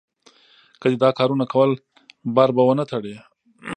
که دې دا کارونه کول؛ بار به و نه تړې.